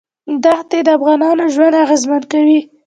دښتې د افغانانو ژوند اغېزمن کوي.